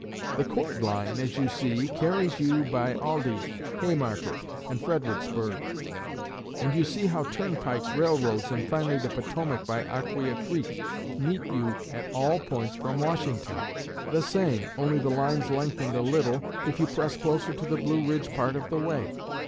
The chord line, as you see, carries you by Aldie, Haymarket, and Fredericksburg, and you see how turnpikes, railroads, and finally the Potomac by Aquia Creek, meet you at all points from Washington. The same, only the lines lengthened a little, if you press closer to the Blue Ridge part of the way.